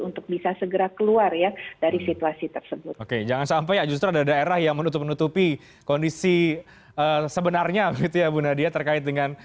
untuk bisa segera keluar ya dari